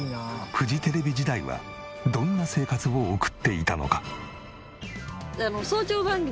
フジテレビ時代はどんな生活を送っていたのか？